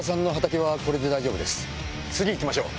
次行きましょう。